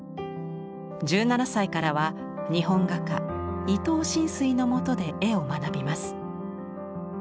１７歳からは日本画家伊東深水のもとで絵を学びます。